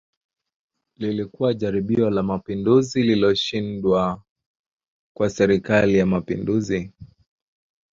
Lilikuwa jaribio la Mapinduzi lililoshindwa kwa Serikali ya Mapinduzi